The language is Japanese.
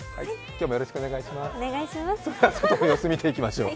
外の様子を見ていきましょう。